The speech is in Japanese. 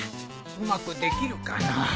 うまくできるかのう。